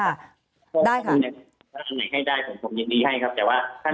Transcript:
ถ้าทำอะไรให้ได้ผมยินดีให้ครับแต่ว่า